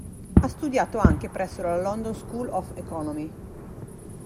Ha studiato anche presso la London School of Economics.